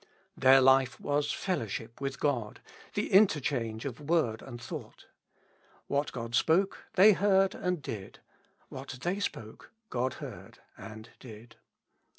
Their life was fellowship with God, the interchange of word and thought. What God spoke they heard and did ; what they spoke God heard and did.